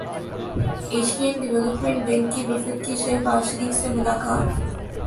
Asian development bank کے وفد کی شہباز شریف سے ملاقات